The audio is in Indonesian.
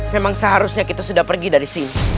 memang seharusnya kita sudah pergi dari sini